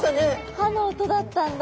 歯の音だったんだ。